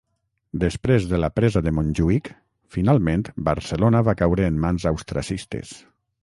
Després de la presa de Montjuïc, finalment Barcelona va caure en mans austriacistes.